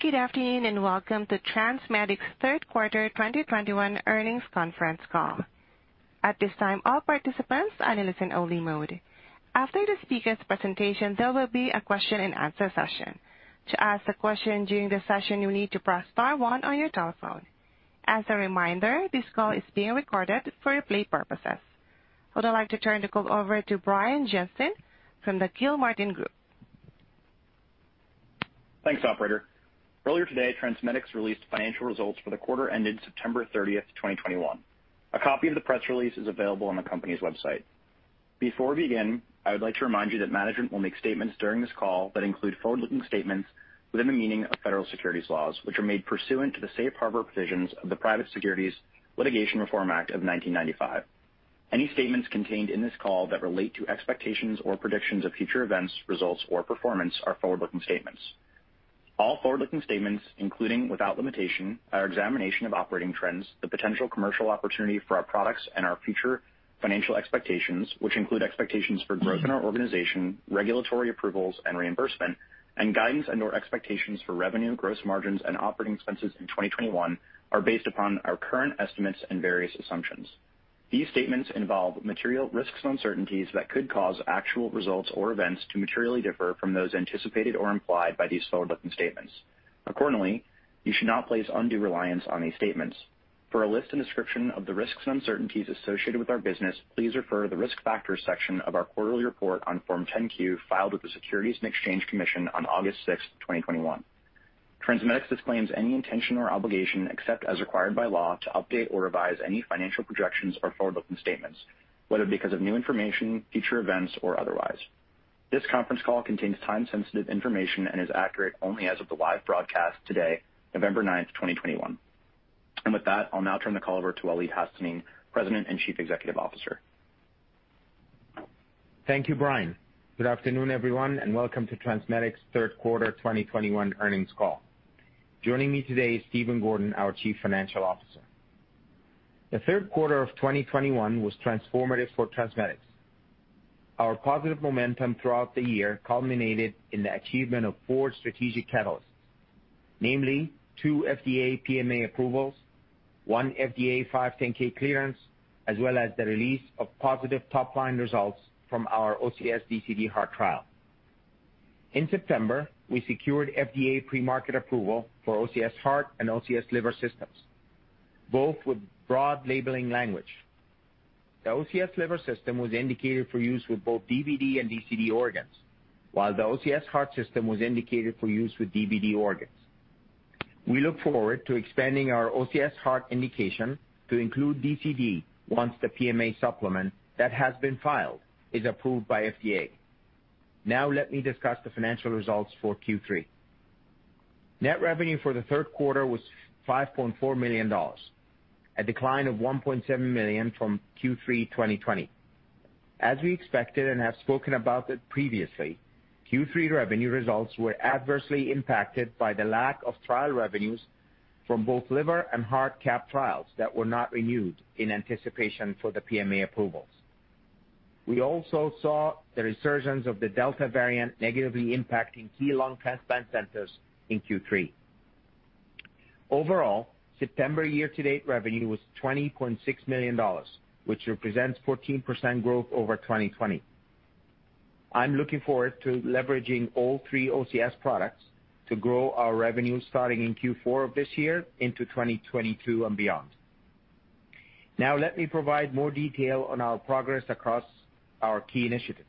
Good afternoon, and welcome to TransMedics' third quarter 2021 earnings conference call. At this time, all participants are in listen only mode. After the speaker's presentation, there will be a question and answer session. To ask a question during the session, you need to press Star one on your telephone. As a reminder, this call is being recorded for replay purposes. I would like to turn the call over to Brian Johnston from the Gilmartin Group. Thanks, operator. Earlier today, TransMedics released financial results for the quarter ended September 30, 2021. A copy of the press release is available on the company's website. Before we begin, I would like to remind you that management will make statements during this call that include forward-looking statements within the meaning of federal securities laws, which are made pursuant to the safe harbor provisions of the Private Securities Litigation Reform Act of 1995. Any statements contained in this call that relate to expectations or predictions of future events, results or performance are forward-looking statements. All forward-looking statements, including, without limitation, our examination of operating trends, the potential commercial opportunity for our products and our future financial expectations, which include expectations for growth in our organization, regulatory approvals and reimbursement and guidance and/or expectations for revenue, gross margins and operating expenses in 2021 are based upon our current estimates and various assumptions. These statements involve material risks and uncertainties that could cause actual results or events to materially differ from those anticipated or implied by these forward-looking statements. Accordingly, you should not place undue reliance on these statements. For a list and description of the risks and uncertainties associated with our business, please refer to the Risk Factors section of our quarterly report on Form 10-Q filed with the Securities and Exchange Commission on August 6th, 2021. TransMedics disclaims any intention or obligation, except as required by law to update or revise any financial projections or forward-looking statements, whether because of new information, future events or otherwise. This conference call contains time-sensitive information and is accurate only as of the live broadcast today, November 9th, 2021. With that, I'll now turn the call over to Waleed Hassanein, President and Chief Executive Officer. Thank you, Brian. Good afternoon, everyone, and welcome to TransMedics' third quarter 2021 earnings call. Joining me today is Stephen Gordon, our Chief Financial Officer. The third quarter of 2021 was transformative for TransMedics. Our positive momentum throughout the year culminated in the achievement of four strategic catalysts, namely two FDA PMA approvals, one FDA 510(k) clearance as well as the release of positive top-line results from our OCS DCD heart trial. In September, we secured FDA pre-market approval for OCS Heart and OCS Liver systems, both with broad labeling language. The OCS Liver system was indicated for use with both DBD and DCD organs, while the OCS Heart system was indicated for use with DBD organs. We look forward to expanding our OCS Heart indication to include DCD once the PMA supplement that has been filed is approved by FDA. Now let me discuss the financial results for Q3. Net revenue for the third quarter was $5.4 million, a decline of $1.7 million from Q3 2020. As we expected and have spoken about it previously, Q3 revenue results were adversely impacted by the lack of trial revenues from both liver and heart CAP trials that were not renewed in anticipation for the PMA approvals. We also saw the resurgence of the Delta variant negatively impacting key lung transplant centers in Q3. Overall, September year-to-date revenue was $20.6 million, which represents 14% growth over 2020. I'm looking forward to leveraging all three OCS products to grow our revenue starting in Q4 of this year into 2022 and beyond. Now let me provide more detail on our progress across our key initiatives.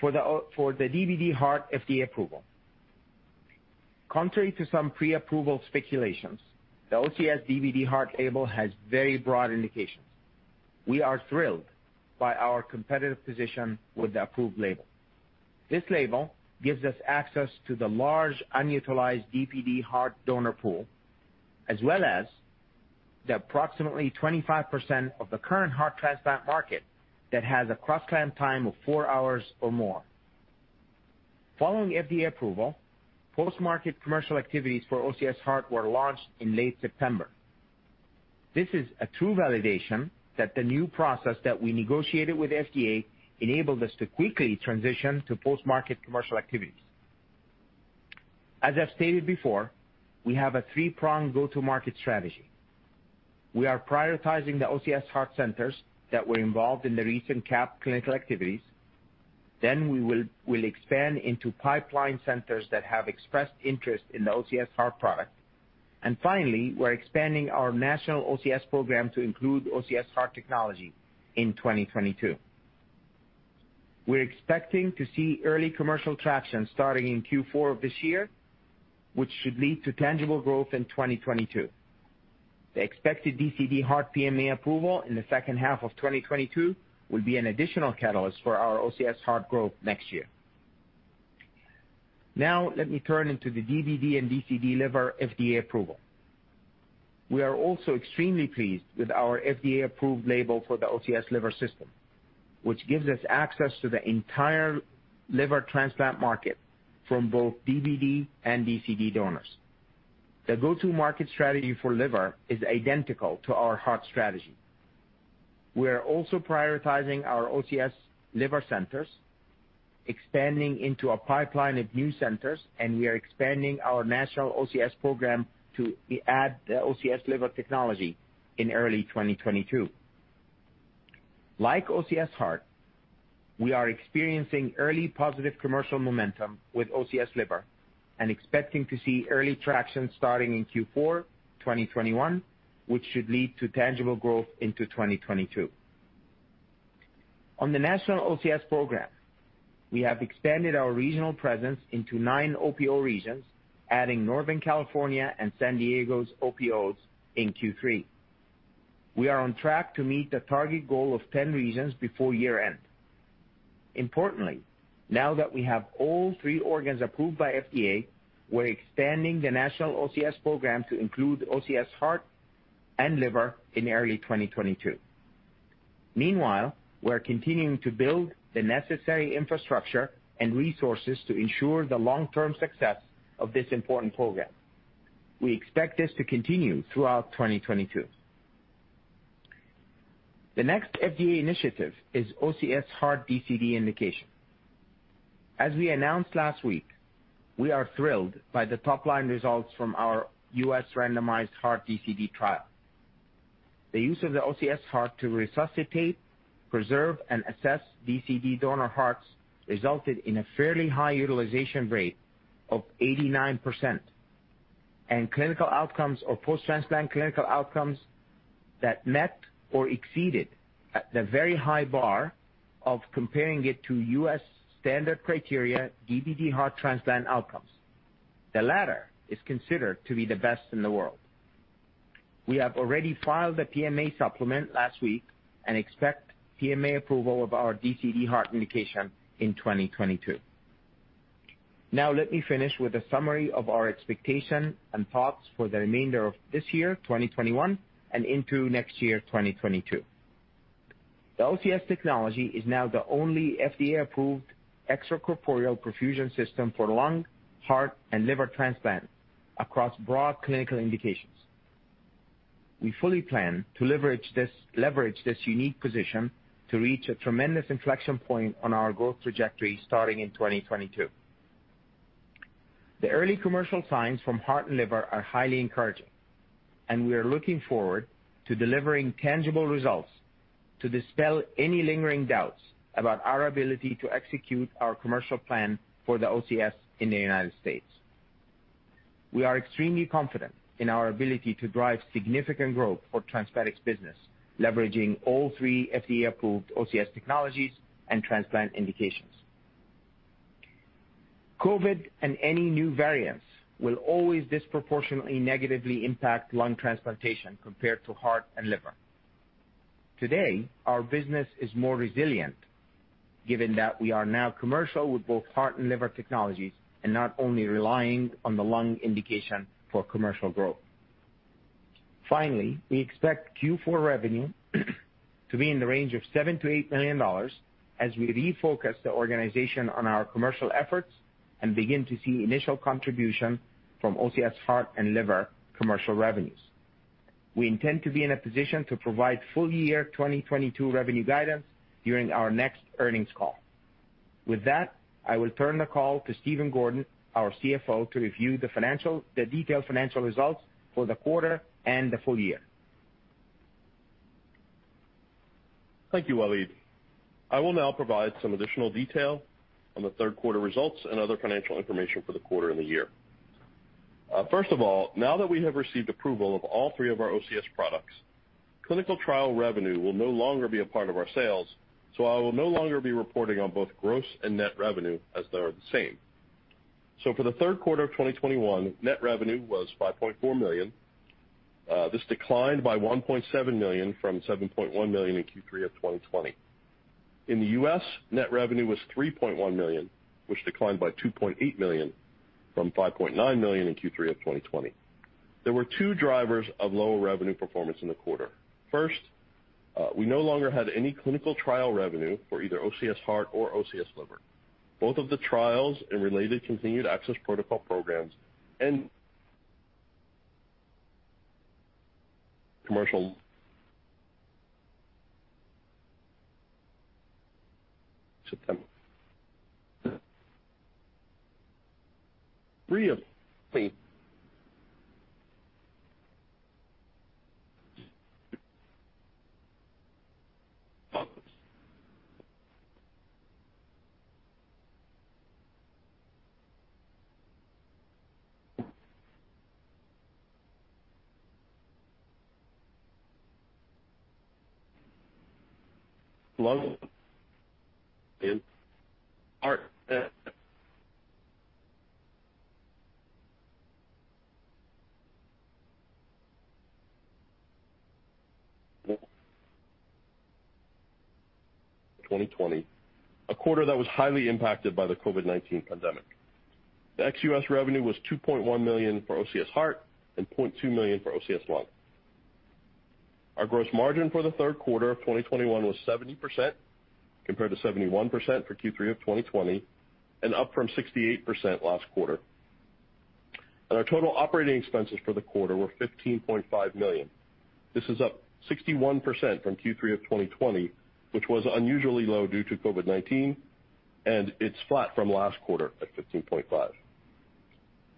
For the DBD heart FDA approval. Contrary to some pre-approval speculations, the OCS DBD Heart label has very broad indications. We are thrilled by our competitive position with the approved label. This label gives us access to the large unutilized DBD heart donor pool as well as the approximately 25% of the current heart transplant market that has a cross-clamp time of 4 hours or more. Following FDA approval, post-market commercial activities for OCS Heart were launched in late September. This is a true validation that the new process that we negotiated with FDA enabled us to quickly transition to post-market commercial activities. As I've stated before, we have a three-pronged go-to-market strategy. We are prioritizing the OCS Heart centers that were involved in the recent CAP clinical activities. We'll expand into pipeline centers that have expressed interest in the OCS Heart product. Finally, we're expanding our National OCS Program to include OCS Heart technology in 2022. We're expecting to see early commercial traction starting in Q4 of this year, which should lead to tangible growth in 2022. The expected DCD heart PMA approval in the second half of 2022 will be an additional catalyst for our OCS Heart growth next year. Now let me turn to the DBD and DCD Liver FDA approval. We are also extremely pleased with our FDA-approved label for the OCS Liver system, which gives us access to the entire liver transplant market from both DBD and DCD donors. The go-to-market strategy for liver is identical to our heart strategy. We are also prioritizing our OCS Liver centers, expanding into a pipeline of new centers, and we are expanding our National OCS Program to add the OCS Liver technology in early 2022. Like OCS Heart, we are experiencing early positive commercial momentum with OCS Liver and expecting to see early traction starting in Q4, 2021, which should lead to tangible growth into 2022. On the National OCS Program, we have expanded our regional presence into nine OPO regions, adding Northern California and San Diego's OPOs in Q3. We are on track to meet the target goal of 10 regions before year-end. Importantly, now that we have all three organs approved by FDA, we're expanding the National OCS Program to include OCS Heart and Liver in early 2022. Meanwhile, we're continuing to build the necessary infrastructure and resources to ensure the long-term success of this important program. We expect this to continue throughout 2022. The next FDA initiative is OCS Heart DCD indication. As we announced last week, we are thrilled by the top-line results from our U.S. randomized heart DCD trial. The use of the OCS Heart to resuscitate, preserve, and assess DCD donor hearts resulted in a fairly high utilization rate of 89% and clinical outcomes or post-transplant clinical outcomes that met or exceeded the very high bar of comparing it to U.S. standard criteria DBD heart transplant outcomes. The latter is considered to be the best in the world. We have already filed a PMA supplement last week and expect PMA approval of our DCD heart indication in 2022. Now let me finish with a summary of our expectation and thoughts for the remainder of this year, 2021, and into next year, 2022. The OCS technology is now the only FDA-approved extracorporeal perfusion system for lung, heart, and liver transplants across broad clinical indications. We fully plan to leverage this unique position to reach a tremendous inflection point on our growth trajectory starting in 2022. The early commercial signs from heart and liver are highly encouraging, and we are looking forward to delivering tangible results to dispel any lingering doubts about our ability to execute our commercial plan for the OCS in the United States. We are extremely confident in our ability to drive significant growth for TransMedics business, leveraging all three FDA-approved OCS technologies and transplant indications. COVID and any new variants will always disproportionately negatively impact lung transplantation compared to heart and liver. Today, our business is more resilient given that we are now commercial with both heart and liver technologies and not only relying on the lung indication for commercial growth. Finally, we expect Q4 revenue to be in the range of $7 million-$8 million as we refocus the organization on our commercial efforts and begin to see initial contribution from OCS Heart and Liver commercial revenues. We intend to be in a position to provide full year 2022 revenue guidance during our next earnings call. With that, I will turn the call to Stephen Gordon, our CFO, to review the detailed financial results for the quarter and the full year. Thank you, Waleed. I will now provide some additional detail on the third quarter results and other financial information for the quarter and the year. First of all, now that we have received approval of all three of our OCS products, clinical trial revenue will no longer be a part of our sales, so I will no longer be reporting on both gross and net revenue as they are the same. For the third quarter of 2021, net revenue was $5.4 million. This declined by $1.7 million from $7.1 million in Q3 of 2020. In the U.S., net revenue was $3.1 million, which declined by $2.8 million from $5.9 million in Q3 of 2020. There were two drivers of lower revenue performance in the quarter. First, we no longer had any clinical trial revenue for either OCS Heart or OCS Liver. Both of the trials and related Continued Access Protocol programs. Three. Lung and heart 2020, a quarter that was highly impacted by the COVID-19 pandemic. The ex-US revenue was $2.1 million for OCS Heart and $0.2 million for OCS Lung. Our gross margin for the third quarter of 2021 was 70% compared to 71% for Q3 of 2020 and up from 68% last quarter. Our total operating expenses for the quarter were $15.5 million. This is up 61% from Q3 of 2020, which was unusually low due to COVID-19, and it's flat from last quarter at $15.5 million.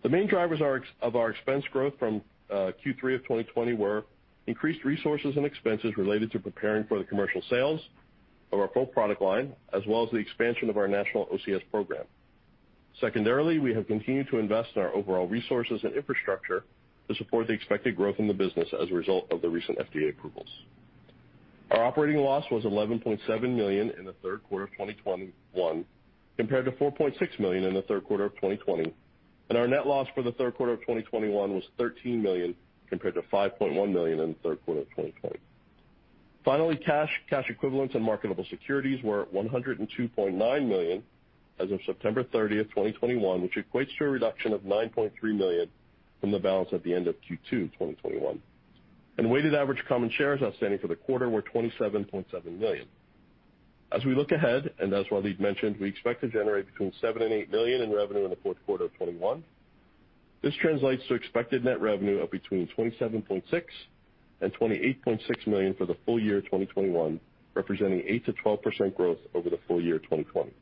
The main drivers of our expense growth from Q3 of 2020 were increased resources and expenses related to preparing for the commercial sales of our full product line, as well as the expansion of our National OCS Program. Secondarily, we have continued to invest in our overall resources and infrastructure to support the expected growth in the business as a result of the recent FDA approvals. Our operating loss was $11.7 million in the third quarter of 2021, compared to $4.6 million in the third quarter of 2020, and our net loss for the third quarter of 2021 was $13 million, compared to $5.1 million in the third quarter of 2020. Finally, cash equivalents and marketable securities were at $102.9 million as of September 30, 2021, which equates to a reduction of $9.3 million from the balance at the end of Q2 2021. Weighted average common shares outstanding for the quarter were 27.7 million. As we look ahead, and as Waleed mentioned, we expect to generate between $7 million and $8 million in revenue in the fourth quarter of 2021. This translates to expected net revenue of between $27.6 million and $28.6 million for the full year 2021, representing 8%-12% growth over the full year 2020.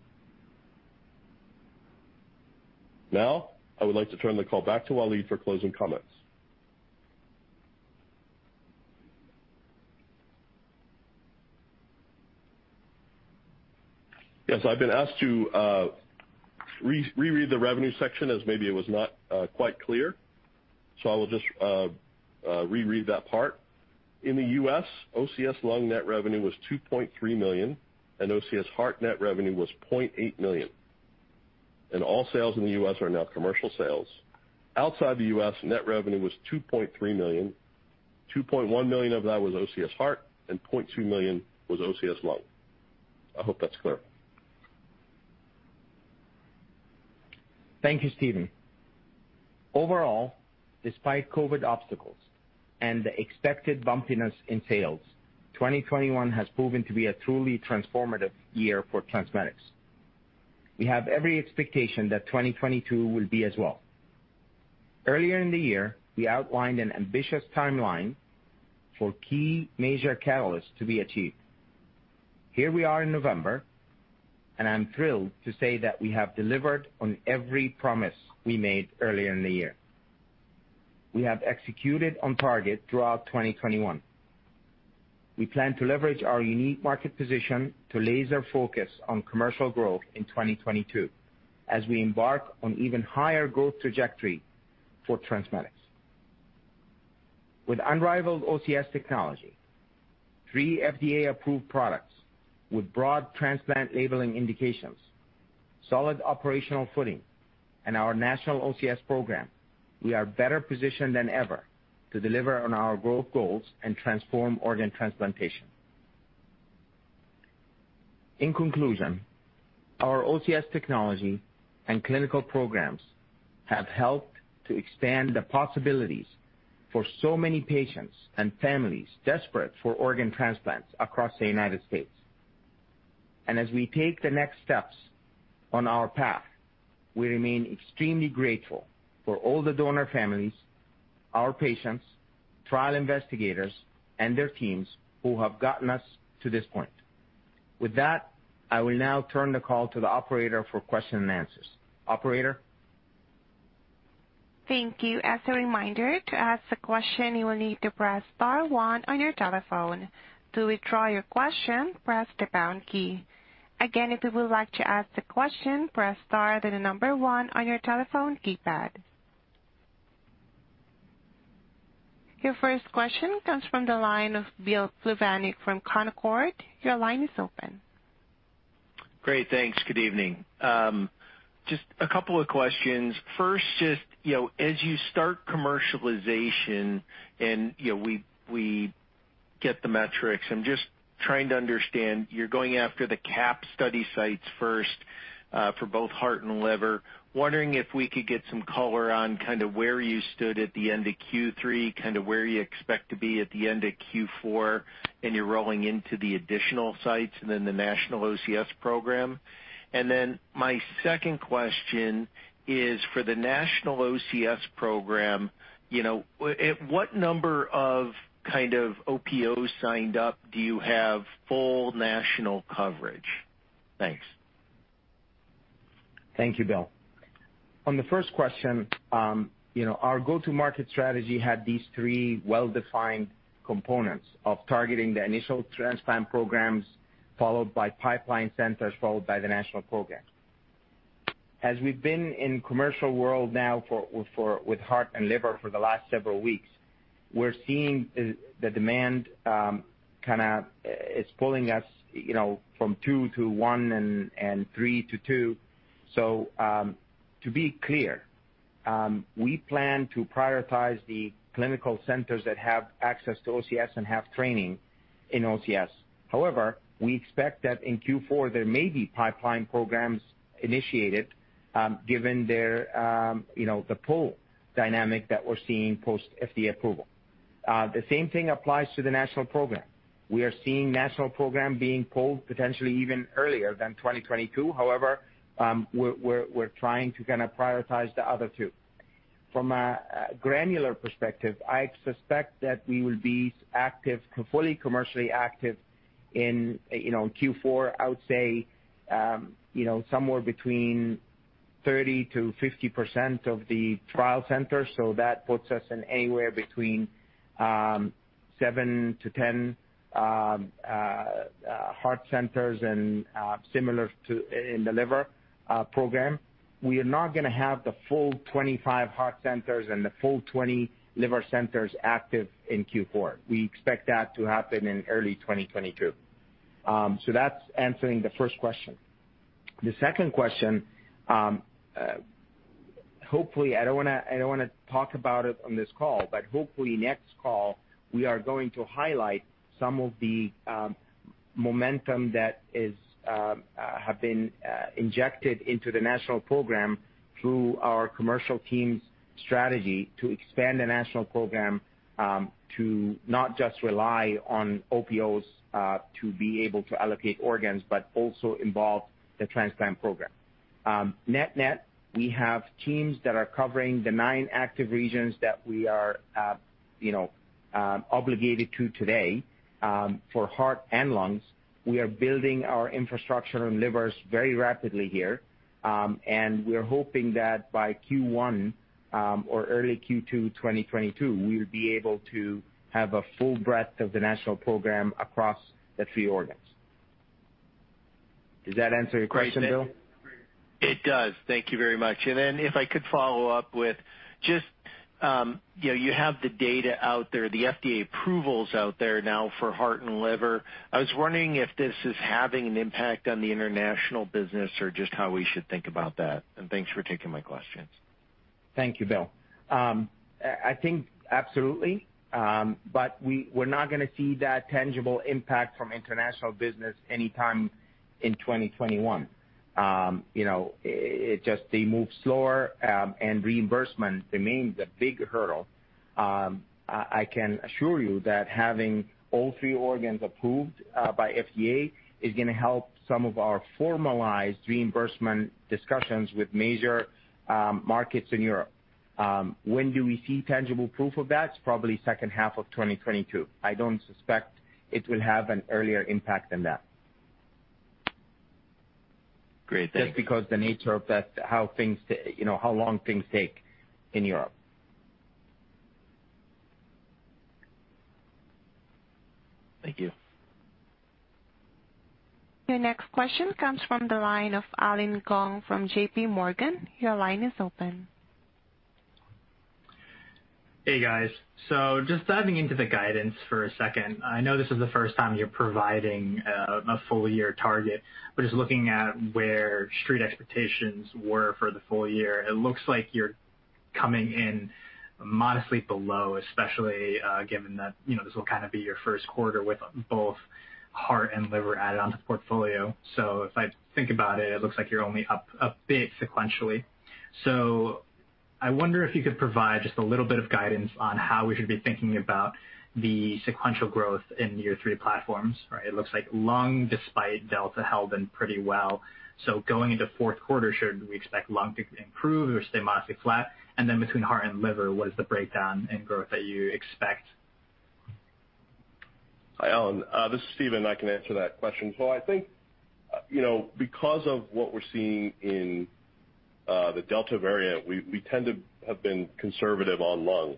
Now, I would like to turn the call back to Waleed for closing comments. Yes, I've been asked to reread the revenue section as maybe it was not quite clear. I will just reread that part. In the U.S., OCS Lung net revenue was $2.3 million, and OCS Heart net revenue was $0.8 million. All sales in the U.S. are now commercial sales. Outside the U.S., net revenue was $2.3 million. $2.1 million of that was OCS Heart and $0.2 million was OCS Lung. I hope that's clear. Thank you, Stephen. Overall, despite COVID obstacles and the expected bumpiness in sales, 2021 has proven to be a truly transformative year for TransMedics. We have every expectation that 2022 will be as well. Earlier in the year, we outlined an ambitious timeline for key major catalysts to be achieved. Here we are in November, and I'm thrilled to say that we have delivered on every promise we made earlier in the year. We have executed on target throughout 2021. We plan to leverage our unique market position to laser focus on commercial growth in 2022 as we embark on even higher growth trajectory for TransMedics. With unrivaled OCS technology, three FDA-approved products with broad transplant labeling indications, solid operational footing, and our National OCS Program, we are better positioned than ever to deliver on our growth goals and transform organ transplantation. In conclusion, our OCS technology and clinical programs have helped to expand the possibilities for so many patients and families desperate for organ transplants across the United States. As we take the next steps on our path, we remain extremely grateful for all the donor families, our patients, trial investigators, and their teams who have gotten us to this point. With that, I will now turn the call to the operator for question and answers. Operator? Thank you. As a reminder, to ask a question, you will need to press Star one on your telephone. To withdraw your question, press the pound key. Again, if you would like to ask the question, press Star, then the number one on your telephone keypad. Your first question comes from the line of Bill Plovanic from Canaccord Genuity. Your line is open. Great. Thanks. Good evening. Just a couple of questions. First, just, you know, as you start commercialization and, you know, we get the metrics, I'm just trying to understand, you're going after the CAP study sites first, for both heart and liver. Wondering if we could get some color on kind of where you stood at the end of Q3, kind of where you expect to be at the end of Q4, and you're rolling into the additional sites and then the National OCS Program. Then my second question is for the National OCS Program, you know, what number of kind of OPOs signed up do you have full national coverage? Thanks. Thank you, Bill. On the first question, our go-to-market strategy had these three well-defined components of targeting the initial transplant programs, followed by pipeline centers, followed by the national program. As we've been in the commercial world now for the last several weeks with heart and liver, we're seeing the demand it's pulling us from two to one and three to two. To be clear, we plan to prioritize the clinical centers that have access to OCS and have training in OCS. However, we expect that in Q4, there may be pipeline programs initiated, given the pull dynamic that we're seeing post FDA approval. The same thing applies to the national program. We are seeing the national program being pulled potentially even earlier than 2022. However, we're trying to kinda prioritize the other two. From a granular perspective, I suspect that we will be active, fully commercially active in, you know, in Q4, I would say, you know, somewhere between 30%-50% of the trial centers, so that puts us in anywhere between 7-10 heart centers and similar to in the liver program. We are not gonna have the full 25 heart centers and the full 20 liver centers active in Q4. We expect that to happen in early 2022. So that's answering the first question. The second question, hopefully, I don't wanna talk about it on this call, but hopefully next call, we are going to highlight some of the momentum that has been injected into the national program through our commercial team's strategy to expand the national program, to not just rely on OPOs to be able to allocate organs, but also involve the transplant program. Net net, we have teams that are covering the 9 active regions that we are obligated to today, for heart and lungs. We are building our infrastructure and livers very rapidly here. We're hoping that by Q1 or early Q2 2022, we'll be able to have a full breadth of the national program across the three organs. Does that answer your question, Bill? It does. Thank you very much. If I could follow up with just, you know, you have the data out there, the FDA approvals out there now for heart and liver. I was wondering if this is having an impact on the international business or just how we should think about that. Thanks for taking my questions. Thank you, Bill. I think absolutely. We're not gonna see that tangible impact from international business anytime in 2021. You know, it's just they move slower, and reimbursement remains a big hurdle. I can assure you that having all three organs approved by FDA is gonna help some of our formalized reimbursement discussions with major markets in Europe. When do we see tangible proof of that? Probably second half of 2022. I don't suspect it will have an earlier impact than that. Great. Thank you. Just because the nature of that, how things, you know, how long things take in Europe. Thank you. Your next question comes from the line of Allen Gong from J.P. Morgan. Your line is open. Hey, guys. Just diving into the guidance for a second. I know this is the first time you're providing a full year target, but just looking at where street expectations were for the full year, it looks like you're coming in modestly below, especially given that, you know, this will kinda be your first quarter with both heart and liver added on to the portfolio. If I think about it looks like you're only up a bit sequentially. I wonder if you could provide just a little bit of guidance on how we should be thinking about the sequential growth in your three platforms. It looks like lung, despite Delta, held in pretty well. Going into fourth quarter, should we expect lung to improve or stay modestly flat? Between heart and liver, what is the breakdown in growth that you expect? Hi, Allen. This is Stephen. I can answer that question. I think, you know, because of what we're seeing in the Delta variant, we tend to have been conservative on lung.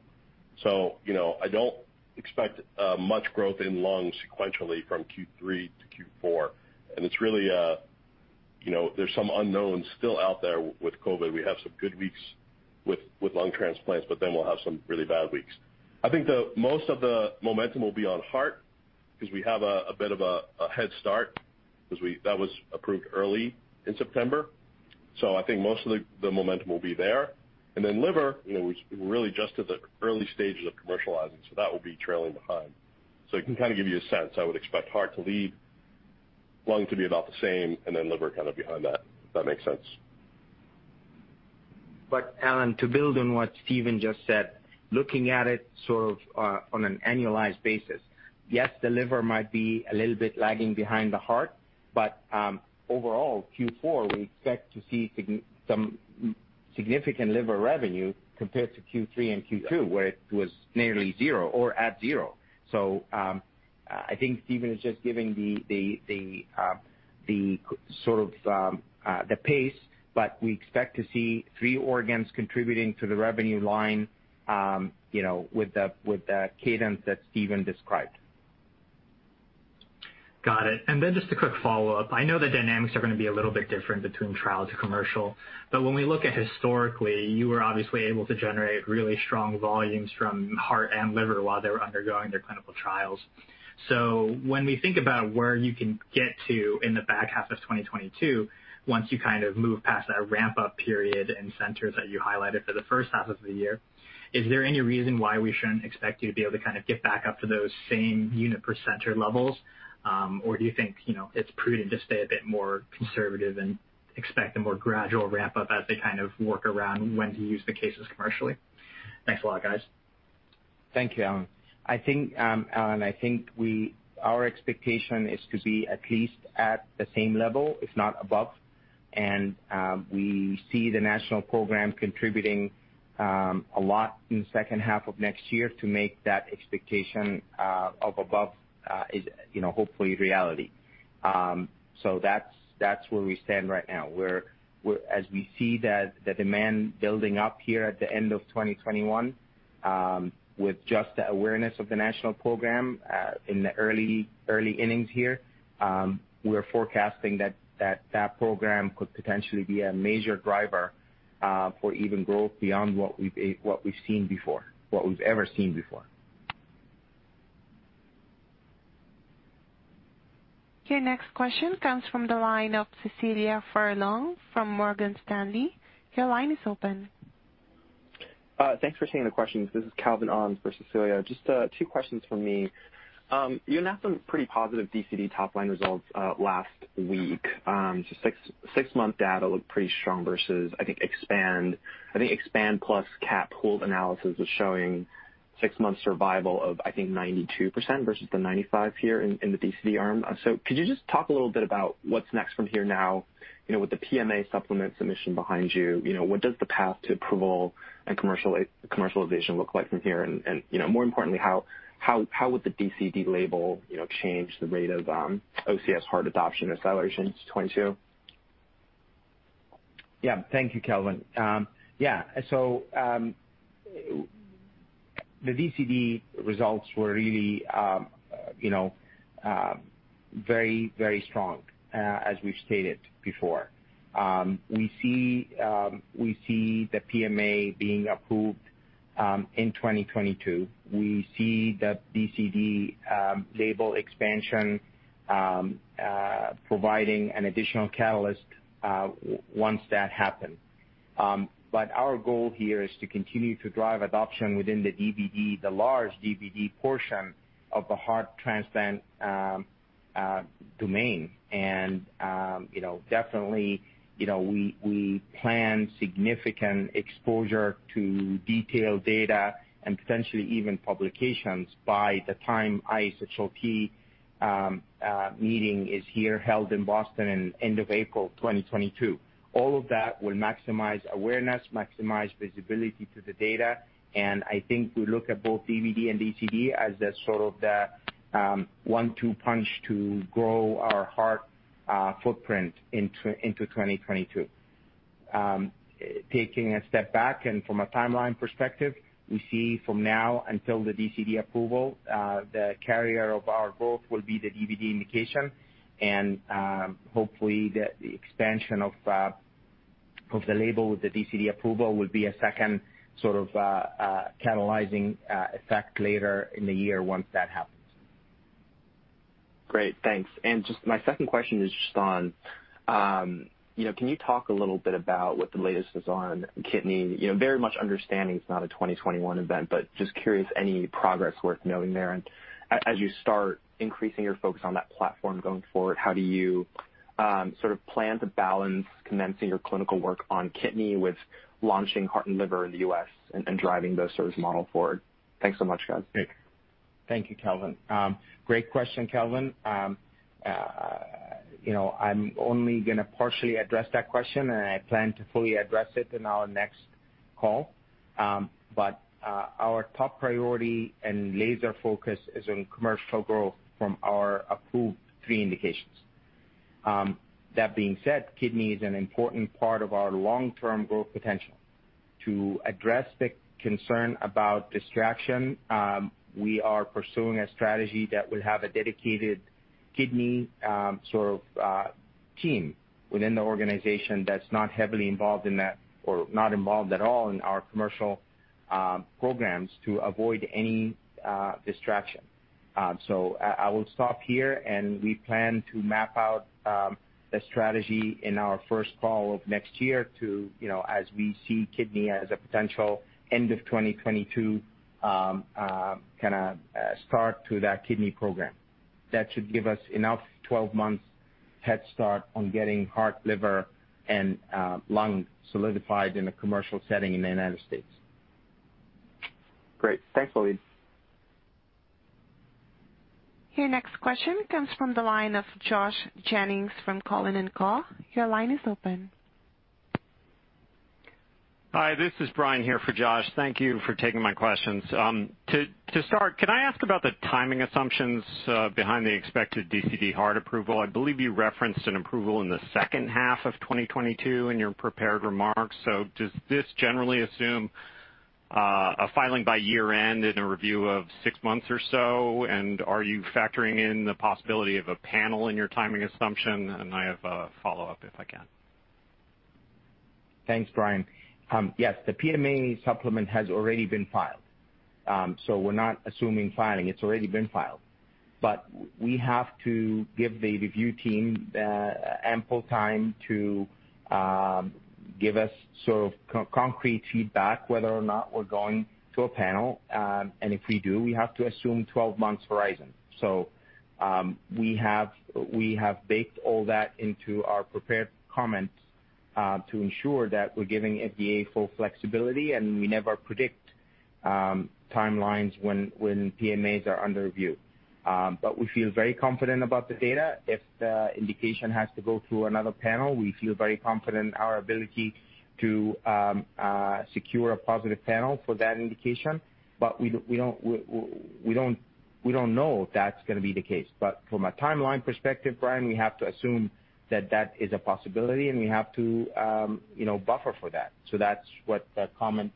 You know, I don't expect much growth in lung sequentially from Q3 to Q4. It's really, you know, there's some unknowns still out there with COVID. We have some good weeks with lung transplants, but then we'll have some really bad weeks. I think most of the momentum will be on heart because we have a bit of a head start because that was approved early in September. I think most of the momentum will be there. Then liver, you know, we're really just at the early stages of commercializing, so that will be trailing behind. It can kinda give you a sense. I would expect heart to lead, lung to be about the same, and then liver kind of behind that, if that makes sense. Allen, to build on what Stephen just said, looking at it sort of on an annualized basis, yes, the liver might be a little bit lagging behind the heart, but overall, Q4, we expect to see some significant liver revenue compared to Q3 and Q2, where it was nearly zero or at zero. I think Stephen is just giving the sort of pace, but we expect to see three organs contributing to the revenue line, you know, with the cadence that Stephen described. Got it. Then just a quick follow-up. I know the dynamics are gonna be a little bit different between trial to commercial, but when we look at historically, you were obviously able to generate really strong volumes from heart and liver while they were undergoing their clinical trials. When we think about where you can get to in the back half of 2022, once you kind of move past that ramp-up period and centers that you highlighted for the first half of the year, is there any reason why we shouldn't expect you to be able to kind of get back up to those same unit per center levels? Or do you think, you know, it's prudent to stay a bit more conservative and expect a more gradual ramp-up as they kind of work around when to use the cases commercially? Thanks a lot, guys. Thank you, Allen. I think our expectation is to be at least at the same level, if not above. We see the National Program contributing a lot in the second half of next year to make that expectation of above is, you know, hopefully reality. That's where we stand right now. As we see the demand building up here at the end of 2021 with just the awareness of the National Program in the early innings here, we're forecasting that program could potentially be a major driver for even growth beyond what we've seen before, what we've ever seen before. Your next question comes from the line of Cecilia Furlong from Morgan Stanley. Your line is open. Thanks for taking the questions. This is Calvin Ahn for Cecilia. Just two questions from me. You announced some pretty positive DCD top-line results last week. Just six-month data looked pretty strong versus, I think, EXPAND. I think EXPAND plus CAP hold analysis was showing six months survival of, I think, 92% versus the 95% here in the DCD arm. So could you just talk a little bit about what's next from here now? You know, with the PMA supplement submission behind you know, what does the path to approval and commercialization look like from here? And you know, more importantly, how would the DCD label, you know, change the rate of OCS Heart adoption acceleration into 2022? Thank you, Calvin. The DCD results were really, you know, very strong, as we've stated before. We see the PMA being approved in 2022. We see the DCD label expansion providing an additional catalyst once that happens. Our goal here is to continue to drive adoption within the DBD, the large DBD portion of the heart transplant domain. We plan significant exposure to detailed data and potentially even publications by the time the ISHLT meeting is held here in Boston at the end of April 2022. All of that will maximize awareness, maximize visibility to the data, and I think we look at both DBD and DCD as the sort of one-two punch to grow our heart footprint into 2022. Taking a step back and from a timeline perspective, we see from now until the DCD approval, the carrier of our growth will be the DBD indication. Hopefully the expansion of the label with the DCD approval will be a second sort of catalyzing effect later in the year once that happens. Great. Thanks. Just my second question is just on, you know, can you talk a little bit about what the latest is on kidney? You know, very much understanding it's not a 2021 event, but just curious any progress worth noting there. As you start increasing your focus on that platform going forward, how do you, sort of plan to balance commencing your clinical work on kidney with launching heart and liver in the U.S. and driving those service model forward? Thanks so much, guys. Thank you, Calvin. Great question, Calvin. You know, I'm only gonna partially address that question, and I plan to fully address it in our next call. Our top priority and laser focus is on commercial growth from our approved three indications. That being said, kidney is an important part of our long-term growth potential. To address the concern about distraction, we are pursuing a strategy that will have a dedicated kidney, sort of, team within the organization that's not heavily involved in that or not involved at all in our commercial programs to avoid any distraction. I will stop here, and we plan to map out the strategy in our first call of next year to, you know, as we see kidney as a potential end of 2022, kinda start to that kidney program. That should give us enough 12 months head start on getting heart, liver and lung solidified in a commercial setting in the United States. Great. Thanks, Waleed. Your next question comes from the line of Josh Jennings from Cowen & Co. Your line is open. Hi, this is Brian here for Josh. Thank you for taking my questions. To start, can I ask about the timing assumptions behind the expected DCD heart approval? I believe you referenced an approval in the second half of 2022 in your prepared remarks. Does this generally assume a filing by year-end in a review of six months or so? And are you factoring in the possibility of a panel in your timing assumption? I have a follow-up, if I can. Thanks, Brian. Yes, the PMA supplement has already been filed. We're not assuming filing. It's already been filed. We have to give the review team ample time to give us sort of concrete feedback whether or not we're going to a panel. If we do, we have to assume 12 months horizon. We have baked all that into our prepared comments to ensure that we're giving FDA full flexibility, and we never predict timelines when PMAs are under review. We feel very confident about the data. If the indication has to go through another panel, we feel very confident in our ability to secure a positive panel for that indication. We don't know if that's gonna be the case. From a timeline perspective, Brian, we have to assume that that is a possibility, and we have to, you know, buffer for that. That's what the comments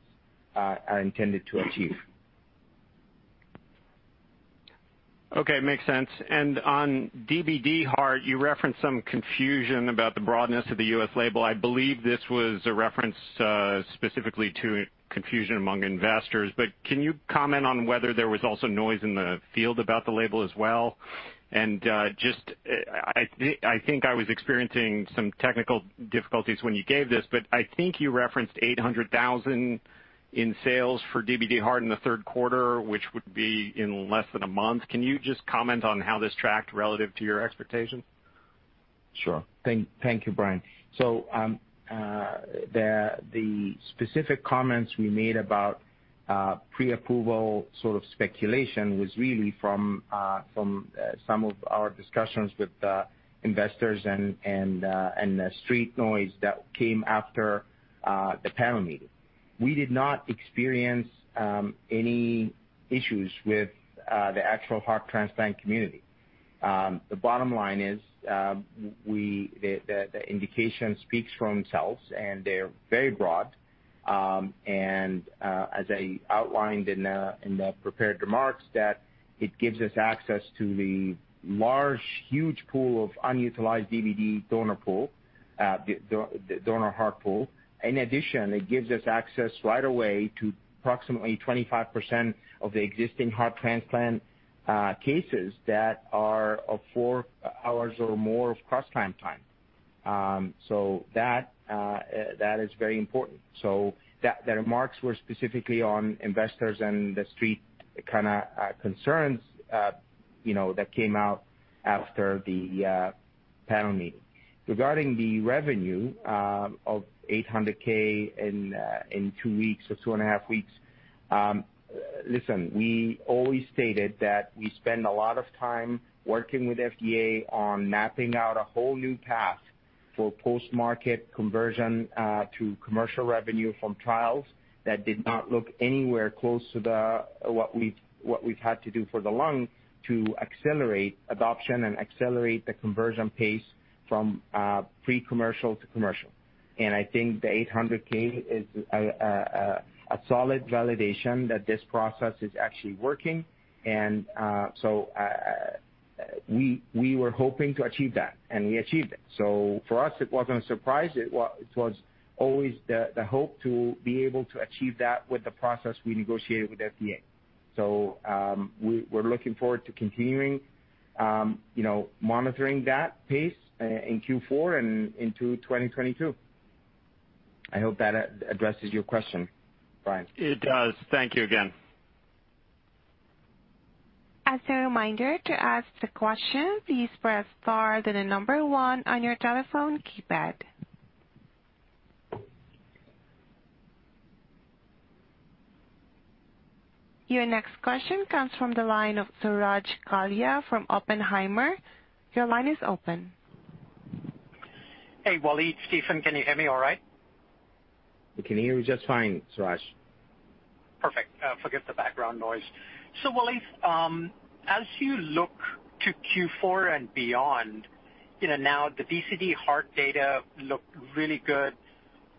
are intended to achieve. Okay, makes sense. On DBD heart, you referenced some confusion about the broadness of the U.S. label. I believe this was a reference, specifically to confusion among investors, but can you comment on whether there was also noise in the field about the label as well? I think I was experiencing some technical difficulties when you gave this, but I think you referenced $800,000 in sales for DBD heart in the third quarter, which would be in less than a month. Can you just comment on how this tracked relative to your expectations? Sure. Thank you, Brian. The specific comments we made about pre-approval sort of speculation was really from some of our discussions with investors and the street noise that came after the panel meeting. We did not experience any issues with the actual heart transplant community. The bottom line is the indication speaks for themselves, and they're very broad. As I outlined in the prepared remarks, that it gives us access to the large, huge pool of unutilized DBD donor pool, the donor heart pool. In addition, it gives us access right away to approximately 25% of the existing heart transplant cases that are four hours or more of cross-clamp time. That is very important. The remarks were specifically on investors and the Street kind of concerns, you know, that came out after the panel meeting. Regarding the revenue of $800K in two weeks or two and a half weeks. Listen, we always stated that we spend a lot of time working with FDA on mapping out a whole new path for post-market conversion to commercial revenue from trials that did not look anywhere close to what we've had to do for the lung to accelerate adoption and accelerate the conversion pace from pre-commercial to commercial. I think the $800K is a solid validation that this process is actually working. We were hoping to achieve that, and we achieved it. For us, it wasn't a surprise. It was always the hope to be able to achieve that with the process we negotiated with FDA. We're looking forward to continuing, you know, monitoring that pace in Q4 and into 2022. I hope that addresses your question, Brian. It does. Thank you again. As a reminder, to ask the question, please press Star, then the number one on your telephone keypad. Your next question comes from the line of Suraj Kalia from Oppenheimer. Your line is open. Hey, Waleed, Stephen, can you hear me all right? We can hear you just fine, Suraj. Perfect. Forgive the background noise. Waleed, as you look to Q4 and beyond, you know, now the DCD heart data looked really good.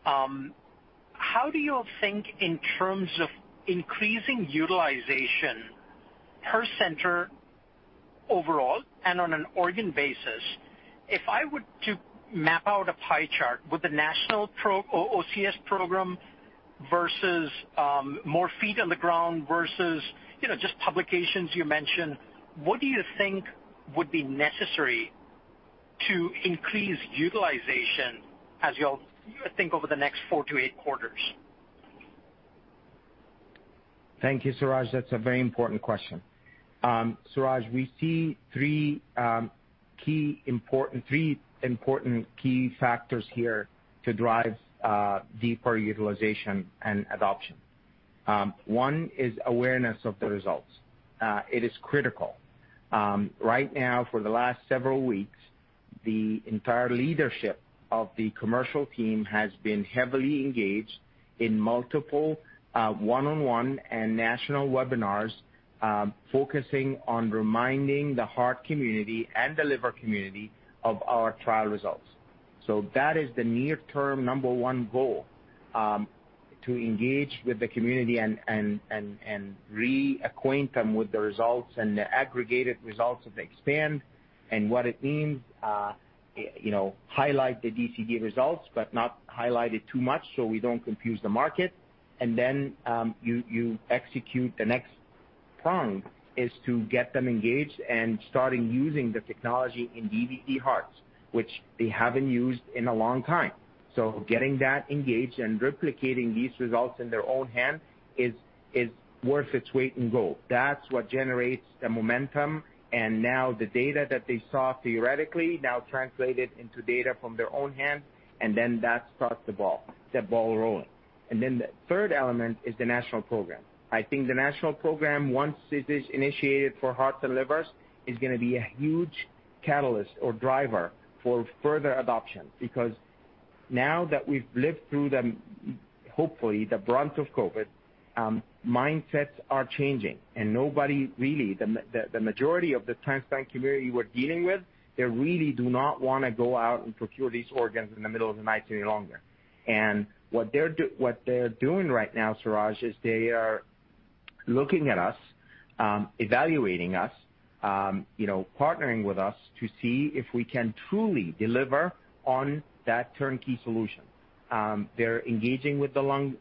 How do you think in terms of increasing utilization per center overall and on an organ basis? If I were to map out a pie chart with the National OCS Program versus more feet on the ground versus, you know, just publications you mentioned, what do you think would be necessary to increase utilization as you all think over the next 4 to 8 quarters? Thank you, Suraj. That's a very important question. Suraj, we see three important key factors here to drive deeper utilization and adoption. One is awareness of the results. It is critical. Right now, for the last several weeks, the entire leadership of the commercial team has been heavily engaged in multiple one-on-one and national webinars, focusing on reminding the heart community and the liver community of our trial results. That is the near term number one goal, to engage with the community and reacquaint them with the results and the aggregated results of the EXPAND and what it means. You know, highlight the DCD results, but not highlight it too much, so we don't confuse the market. You execute the next prong, which is to get them engaged and starting using the technology in DCD hearts, which they haven't used in a long time. Getting that engaged and replicating these results in their own hand is worth its weight in gold. That's what generates the momentum. Now the data that they saw theoretically now translated into data from their own hand, and that starts the ball rolling. The third element is the national program. I think the National Program, once it is initiated for hearts and livers, is gonna be a huge catalyst or driver for further adoption because now that we've lived through the, hopefully, the brunt of COVID-19, mindsets are changing and nobody really, the majority of the transplant community we're dealing with, they really do not wanna go out and procure these organs in the middle of the night any longer. What they're doing right now, Suraj, is they are looking at us, evaluating us, you know, partnering with us to see if we can truly deliver on that turnkey solution. They're engaging with the lung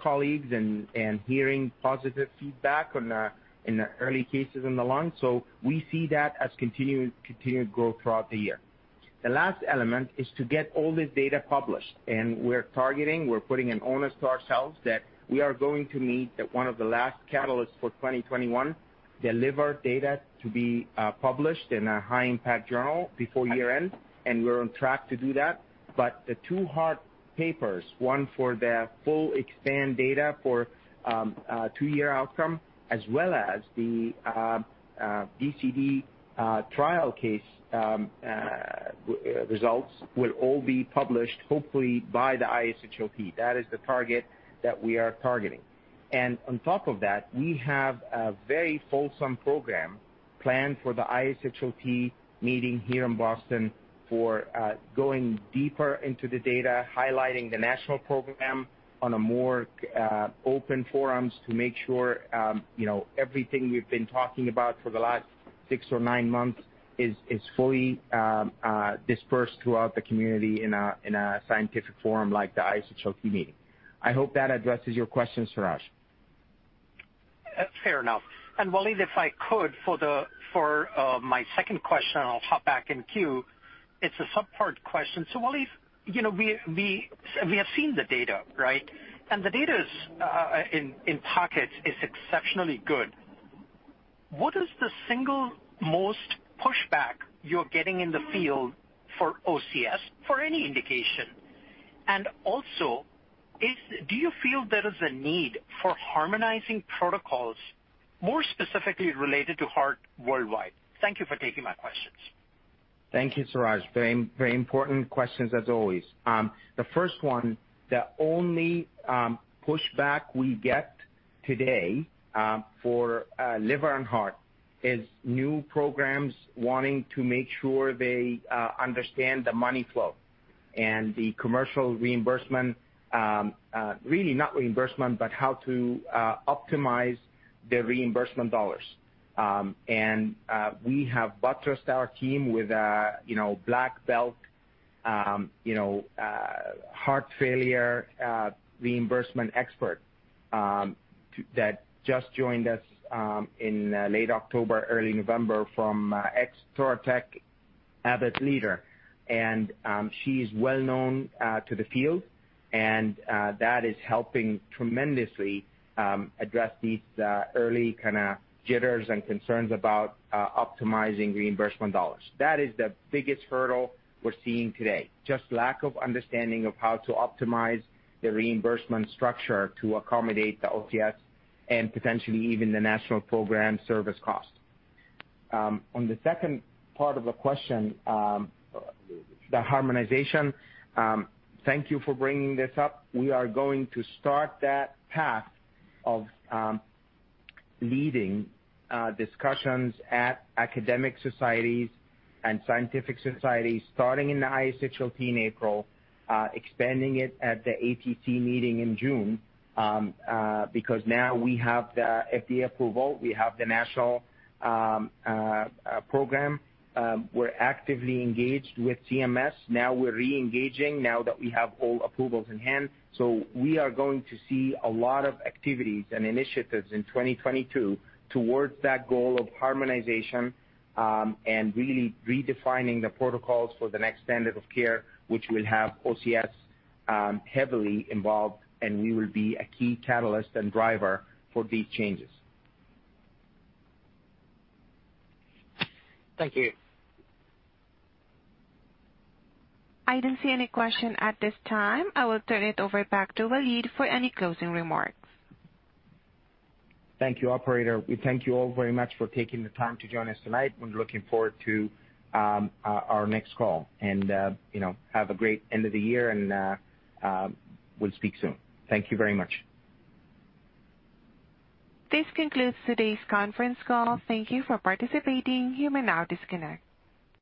colleagues and hearing positive feedback on the early cases in the lung. We see that as continuing to grow throughout the year. The last element is to get all this data published, and we're targeting. We're putting an onus to ourselves that we are going to meet one of the last catalysts for 2021, deliver data to be published in a high impact journal before year-end, and we're on track to do that. The two heart papers, one for the full EXPAND data for a two-year outcome, as well as the DCD trial case results will all be published hopefully by the ISHLT. That is the target that we are targeting. On top of that, we have a very fulsome program planned for the ISHLT meeting here in Boston for going deeper into the data, highlighting the national program on a more open forums to make sure, you know, everything we've been talking about for the last six or nine months is fully dispersed throughout the community in a scientific forum like the ISHLT meeting. I hope that addresses your question, Suraj. That's fair enough. Waleed, if I could, for my second question, I'll hop back in queue. It's a subpart question. Waleed, you know, we have seen the data, right? The data's in pockets exceptionally good. What is the single most pushback you're getting in the field for OCS for any indication? Also, do you feel there is a need for harmonizing protocols, more specifically related to heart worldwide? Thank you for taking my questions. Thank you, Suraj. Very, very important questions as always. The first one, the only pushback we get today for liver and heart is new programs wanting to make sure they understand the money flow and the commercial reimbursement, really not reimbursement, but how to optimize the reimbursement dollars. We have buttressed our team with a, you know, black belt, you know, heart failure reimbursement expert that just joined us in late October, early November from ex-Thoratec/Abbott leader. She's well known to the field, and that is helping tremendously address these early kinda jitters and concerns about optimizing reimbursement dollars. That is the biggest hurdle we're seeing today, just lack of understanding of how to optimize the reimbursement structure to accommodate the OCS and potentially even the national program service costs. On the second part of the question, the harmonization, thank you for bringing this up. We are going to start that path of leading discussions at academic societies and scientific societies starting in the ISHLT in April, expanding it at the ATC meeting in June, because now we have the FDA approval. We have the national program. We're actively engaged with CMS. Now we're re-engaging now that we have all approvals in hand. We are going to see a lot of activities and initiatives in 2022 towards that goal of harmonization and really redefining the protocols for the next standard of care, which will have OCS heavily involved, and we will be a key catalyst and driver for these changes. Thank you. I don't see any question at this time. I will turn it over back to Waleed for any closing remarks. Thank you, operator. We thank you all very much for taking the time to join us tonight. We're looking forward to our next call. You know, have a great end of the year and we'll speak soon. Thank you very much. This concludes today's conference call. Thank you for participating. You may now disconnect.